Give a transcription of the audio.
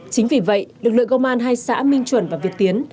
chính vì vậy lực lượng công an hai xã minh chuẩn và việt tiến